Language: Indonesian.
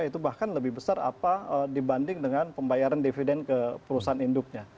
itu bahkan lebih besar apa dibanding dengan pembayaran dividen ke perusahaan induknya